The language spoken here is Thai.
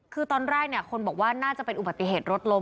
คือตอนแรกเนี่ยคนบอกว่าน่าจะเป็นอุบัติเหตุรถล้ม